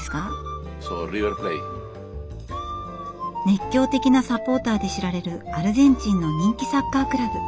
熱狂的なサポーターで知られるアルゼンチンの人気サッカークラブ。